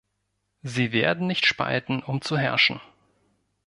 Sie werden nicht spalten, um zu herrschen.